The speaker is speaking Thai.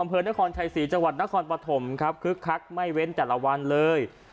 อำเภอนครชัยศรีจังหวัดนครปฐมครับคึกคักไม่เว้นแต่ละวันเลย